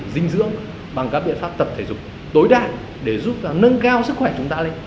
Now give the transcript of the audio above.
dinh dưỡng bằng các biện pháp tập thể dục tối đa để giúp nâng cao sức khỏe chúng ta lên